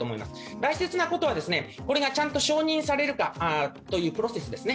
大切なことはこれがちゃんと承認されるかというプロセスですね。